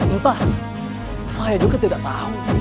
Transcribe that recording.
entah saya juga tidak tahu